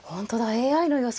ＡＩの予想